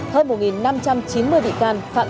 hơn một năm trăm chín mươi bị can phạm tội về tham nhũng